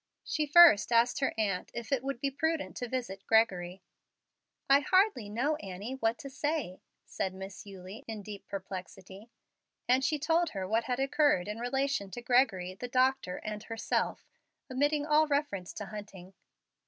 She first asked her aunt if it would be prudent to visit Gregory. "I hardly know, Annie, what to say," said Miss Eulie, in deep perplexity; and she told her what had occurred in relation to Gregory, the doctor, and herself, omitting all reference to Hunting.